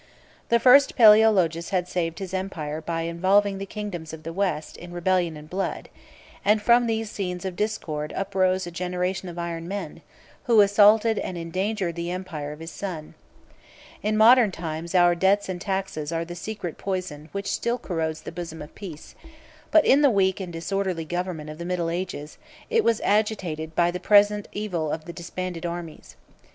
The first Palæologus had saved his empire by involving the kingdoms of the West in rebellion and blood; and from these scenes of discord uprose a generation of iron men, who assaulted and endangered the empire of his son. In modern times our debts and taxes are the secret poison which still corrodes the bosom of peace: but in the weak and disorderly government of the middle ages, it was agitated by the present evil of the disbanded armies.